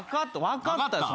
分かったよ。